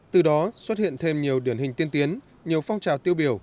từ đó xuất hiện thêm nhiều điển hình tiên tiến nhiều phong trào tiêu biểu